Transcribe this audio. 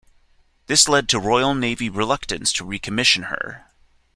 This led to Royal Navy reluctance to recommission her.